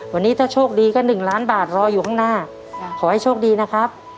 วันนี้ถ้าโชคดีก็๑ล้านบาทรออยู่ข้างหน้าขอให้โชคดีนะครับ